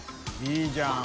いいじゃん。